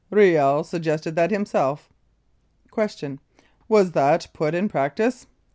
Riel suggested that himself. Q. Was that put in practice?